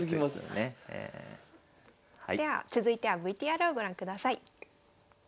では続いてはＶＴＲをご覧ください。